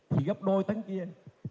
thì gấp đôi tấn kia